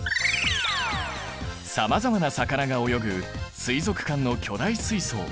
さまざまな魚が泳ぐ水族館の巨大水槽。